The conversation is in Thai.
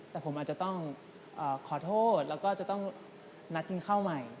แต่ผมอาจจะต้องขอโทษแล้วก็จะต้องนัดกินข้าวใหม่